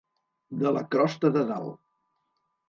De la crosta de dalt.